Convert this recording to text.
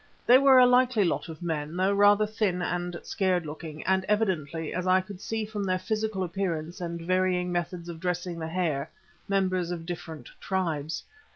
They were a likely lot of men, though rather thin and scared looking, and evidently, as I could see from their physical appearance and varying methods of dressing the hair, members of different tribes.